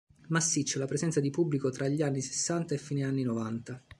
Massiccia la presenza di pubblico tra gli anni sessanta e fine anni novanta.